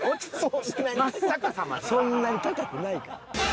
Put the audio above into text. そんなに高くないから。